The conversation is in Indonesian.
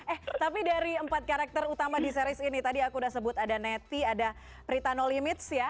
eh tapi dari empat karakter utama di series ini tadi aku udah sebut ada netty ada pritano limits ya